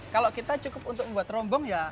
kalau kita cukup untuk membuat rombong ya